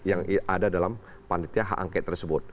yang ada dalam panitia hak angket tersebut